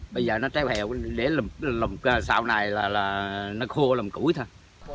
bây giờ nó treo heo để lùm sau này là nó khô lùm củi thôi